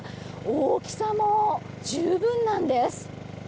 大きさも十分なんです。